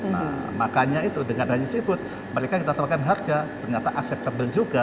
nah makanya itu dengan hanya seafood mereka kita tambahkan harga ternyata aset kebel juga